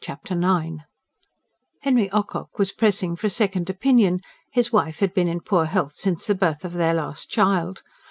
Chapter IX Henry Ocock was pressing for a second opinion; his wife had been in poor health since the birth of her last child.